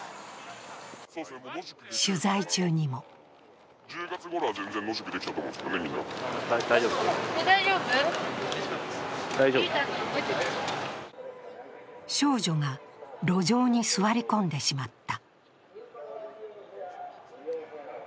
取材中にも少女が路上に座り込んでしまった。